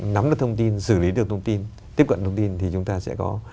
nắm được thông tin xử lý được thông tin tiếp cận thông tin thì chúng ta sẽ có